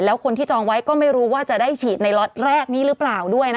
แล้วคนที่จองไว้ก็ไม่รู้ว่าจะได้ฉีดในล็อตแรกนี้หรือเปล่าด้วยนะคะ